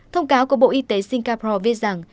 thông cáo của bộ y tế singapore viết rằng